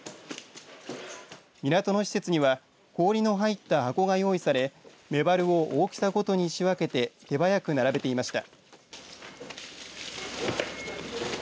港の施設には氷の入った箱が用意されメバルを大きさごとに仕分けて手早く並べていました。